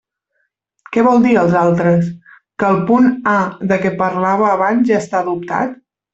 Què vol dir “els altres”?, que el punt A de què parlava abans ja està adoptat?